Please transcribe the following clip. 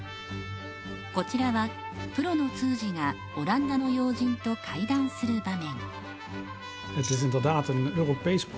こちらはプロの通詞がオランダの要人と会談する場面。